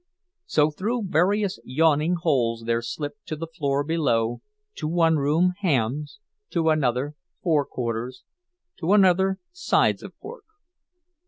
So through various yawning holes there slipped to the floor below—to one room hams, to another forequarters, to another sides of pork.